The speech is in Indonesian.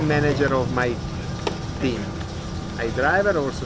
karena sebelumnya saya adalah pengurus tim